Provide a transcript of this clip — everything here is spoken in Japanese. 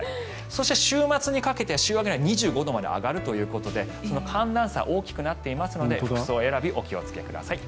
そして、週明けにかけて２５度まで上がるということで寒暖差が大きくなるということで服装選びお気をつけください。